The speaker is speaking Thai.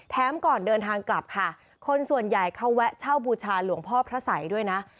ก่อนเดินทางกลับค่ะคนส่วนใหญ่เขาแวะเช่าบูชาหลวงพ่อพระสัยด้วยนะ